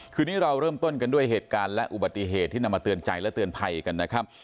คืนนี้เราเริ่มต้นกันด้วยเหตุการณ์และอุบัติเหตุที่นำมาเตือนใจและเตือนภัยกันนะครับ